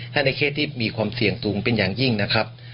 ถ้าในเคสที่มีความเสี่ยงสูงเป็นอย่างยิ่งนะครับ